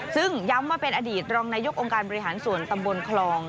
ซึ่งย้ำว่าเป็นอดีตรองนายกองค์การบริหารส่วนตำบลคลอง